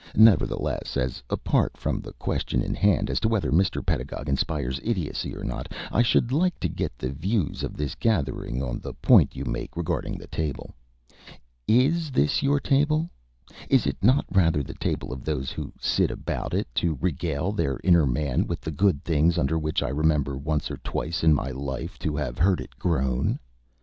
"Nevertheless, as apart from the question in hand as to whether Mr. Pedagog inspires idiocy or not, I should like to get the views of this gathering on the point you make regarding the table. Is this your table? Is it not rather the table of those who sit about it to regale their inner man with the good things under which I remember once or twice in my life to have heard it groan?